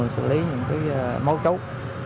sử lý những mối chốt